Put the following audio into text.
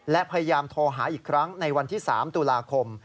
และพยายามโทรหาอีกครั้งในวันที่๓ตุลาคม